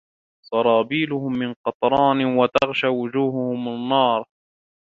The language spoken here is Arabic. سرابيلهم من قطران وتغشى وجوههم النار